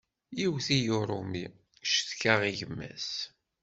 Iwwet-iyi uṛumi, cetkaɣ i gma-s.